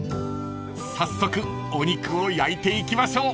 ［早速お肉を焼いていきましょう］